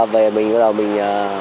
về mình bắt đầu mình